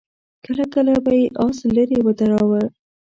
کله کله به يې آس ليرې ودراوه.